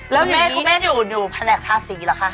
แล้วแม่คุณแม่อยู่แผนกทาสีเหรอคะ